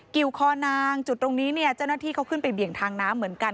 เกี่ยวคอนางจุดตรงนี้เนี่ยเจ้าหน้าที่เขาขึ้นไปเบี่ยงทางน้ำเหมือนกัน